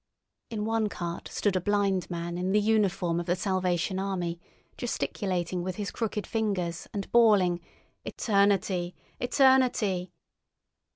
In one cart stood a blind man in the uniform of the Salvation Army, gesticulating with his crooked fingers and bawling, "Eternity! Eternity!"